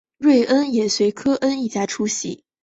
瑞恩也随科恩一家出席。